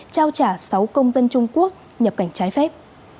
trao trả sáu công dân trung quốc nhập cảnh trái phép